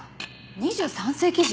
２３世紀人？